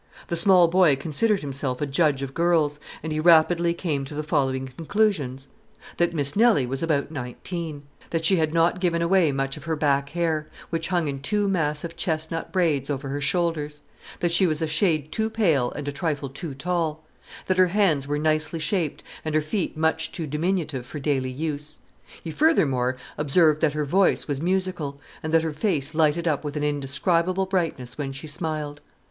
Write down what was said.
The small boy considered himself a judge of girls, and he rapidly came to the following conclusions: That Miss Nelly was about nineteen; that she had not given away much of her back hair, which hung in two massive chestnut braids over her shoulders; that she was a shade too pale and a trifle too tall; that her hands were nicely shaped and her feet much too diminutive for daily use. He furthermore observed that her voice was musical, and that her face lighted up with an indescribable brightness when she smiled.